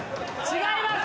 違います！